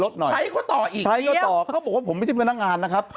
ใช้เขาต่ออีกใช้ก็ต่อเขาบอกว่าผมไม่ใช่พนักงานนะครับ